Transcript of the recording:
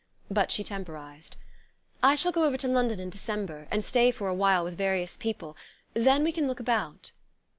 But she temporized. "I shall go over to London in December, and stay for a while with various people then we can look about."